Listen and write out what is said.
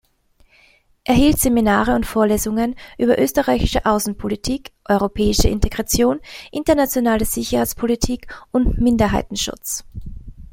Er hielt Seminare und Vorlesungen über österreichische Außenpolitik, europäische Integration, internationale Sicherheitspolitik und Minderheitenschutz.